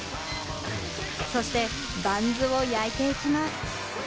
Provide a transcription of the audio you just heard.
そしてバンズを焼いていきます。